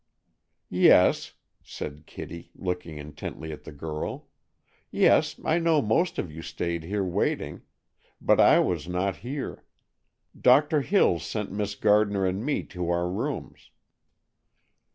"Yes," said Kitty, looking intently at the girl; "yes, I know most of you stayed here waiting,—but I was not here; Doctor Hills sent Miss Gardner and me to our rooms."